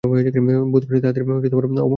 বোধ করি, তাঁহাদের অমত না হইতে পারে।